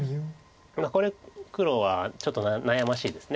これ黒はちょっと悩ましいです。